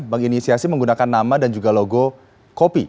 menginisiasi menggunakan nama dan juga logo kopi